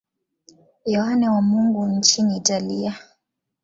Yohane wa Mungu nchini Italia.